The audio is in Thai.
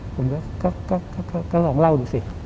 ผมก็ลองเล่าดูสิ